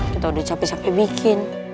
kita udah capek sampai bikin